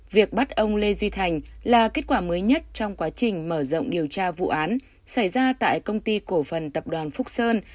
việc bắt ông lê duy thành là kết quả mới nhất trong quá trình mở rộng điều tra vụ án xảy ra tại công ty cổ phần tập đoàn phúc sơn